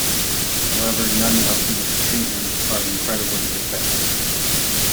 However, none of these treatments are incredibly effective.